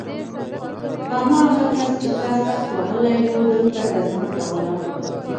هماغه کس چې تا سخت وهلی و دلته ګزمه کوله